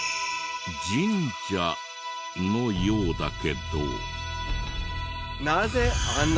神社のようだけど。